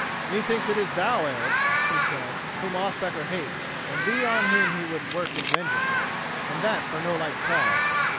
"Methinks it is thou, Eric," he said, "whom Ospakar hates, and thee on whom he would work his vengeance, and that for no light cause."